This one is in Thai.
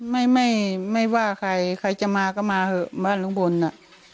ไม่ไม่ว่าใครใครจะมาก็มาเถอะบ้านลุงพลน่ะ